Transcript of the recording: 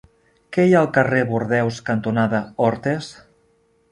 Què hi ha al carrer Bordeus cantonada Hortes?